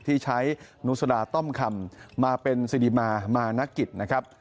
ที่ใช้นุสดาต้อมคำมาเป็นสิริมามานักกิจนะครับ